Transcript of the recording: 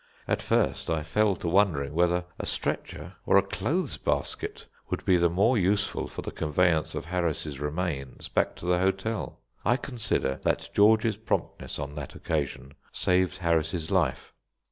At first I fell to wondering whether a stretcher or a clothes basket would be the more useful for the conveyance of Harris's remains back to the hotel. I consider that George's promptness on that occasion saved Harris's life.